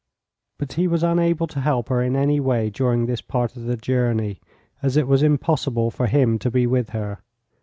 But he was unable to help her in any way during this part of the journey, as it was impossible for him to be with her.